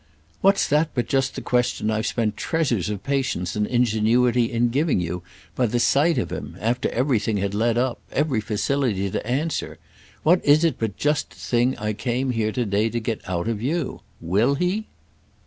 "What's that but just the question I've spent treasures of patience and ingenuity in giving you, by the sight of him—after everything had led up—every facility to answer? What is it but just the thing I came here to day to get out of you? Will he?"